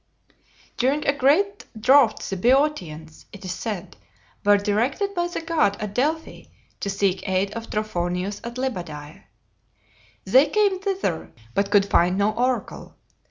During a great drought the Boeotians, it is said, were directed by the god at Delphi to seek aid of Trophonius at Lebadea. They came thither, but could find no oracle.